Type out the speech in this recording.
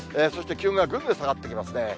そして気温がぐんぐん下がってきますね。